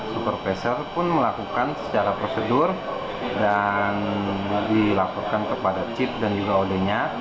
supervisor pun melakukan secara prosedur dan dilaporkan kepada chip dan juga od nya